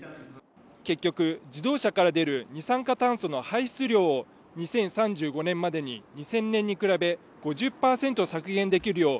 結局、自動車から出る二酸化炭素の排出量を２０３５年までに２０００年に比べ５０％削減できるよう